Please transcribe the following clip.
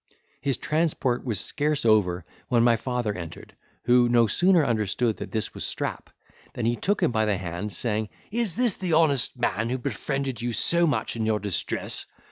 His transport was scarce over, when my father entered, who no sooner understood that this was Strap, than he took him by the hand, saying, "Is this the honest man who befriended you so much in your distress?